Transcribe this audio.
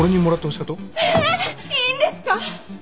いいんですか？